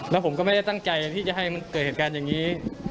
แล้วผมก็ไม่ได้ตั้งใจที่จะให้มันเกิดเหตุการณ์อย่างนี้